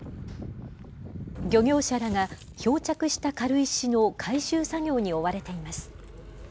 漁業者らが漂着した軽石の回収作業に追われています。